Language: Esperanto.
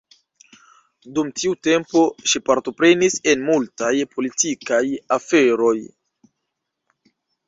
Dum tiu tempo ŝi partoprenis en multaj politikaj aferoj.